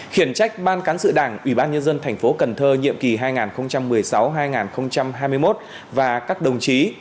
khiển trách ban cán sự đảng ủy ban nhân dân thành phố cần thơ nhiệm kỳ hai nghìn một mươi sáu hai nghìn hai mươi một và các đồng chí